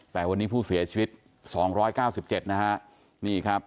แต่วันนี้ผู้เสียชีวิต๒๙๗แหละ